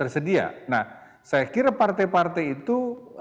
saya kira partai partai itu